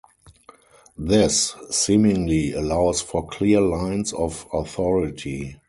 This seemingly allows for clear lines of authority.